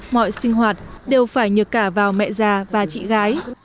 mọi sinh hoạt đều phải nhờ cả vào mẹ già và chị gái